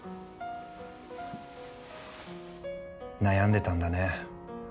悩んでたんだね。